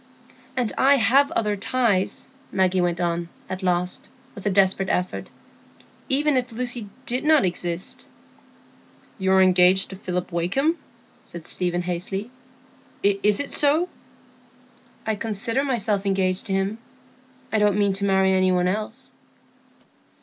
"And I have other ties," Maggie went on, at last, with a desperate effort, "even if Lucy did not exist." "You are engaged to Philip Wakem?" said Stephen, hastily. "Is it so?" "I consider myself engaged to him; I don't mean to marry any one else."